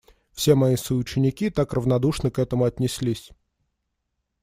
Все мои соученики так равнодушно к этому отнеслись.